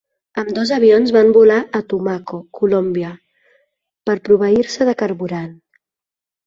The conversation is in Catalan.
Ambdós avions van volar a Tumaco, Colòmbia, per proveir-se de carburant.